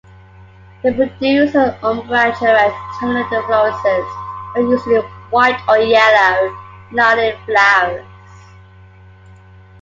They produce an unbranched, erect, terminal inflorescence bearing usually white or yellow, nodding flowers.